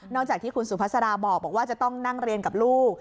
จากที่คุณสุภาษาบอกว่าจะต้องนั่งเรียนกับลูก